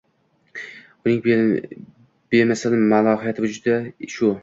Uning bemisl malohati vujudi shu